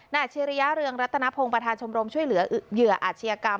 อาชิริยะเรืองรัตนพงศ์ประธานชมรมช่วยเหลือเหยื่ออาชญากรรม